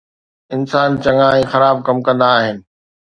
انسان چڱا ۽ خراب ڪم ڪندا آهن